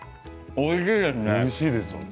おいしいですね。